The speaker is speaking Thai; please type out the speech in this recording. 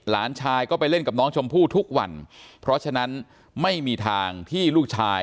หลานชายก็ไปเล่นกับน้องชมพู่ทุกวันเพราะฉะนั้นไม่มีทางที่ลูกชาย